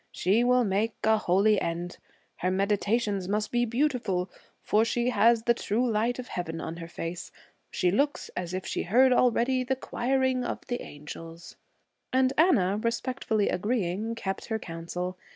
'She will make a holy end. Her meditations must be beautiful, for she has the true light of Heaven on her face. She looks as if she heard already the choiring of the angels.' And Anna, respectfully agreeing, kept her counsel.